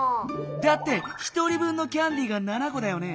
だって１人分のキャンディーが７こだよね？